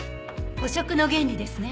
補色の原理ですね。